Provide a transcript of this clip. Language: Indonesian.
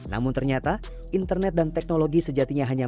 namun ternyata internet dan teknologi sejauh ini tidak bergantung